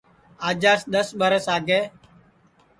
آجاس دؔس ٻرس آگے